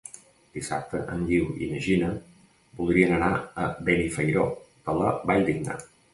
Dissabte en Guiu i na Gina voldrien anar a Benifairó de la Valldigna.